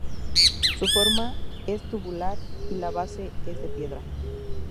Su forma es tubular y la base es de piedra.